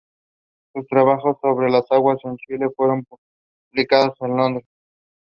This video soon went viral in South Korea.